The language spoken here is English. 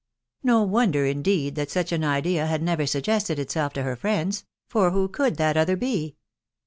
No wonder, indeed, that such an idea had never suggested itself to her friends, .... for who could that other be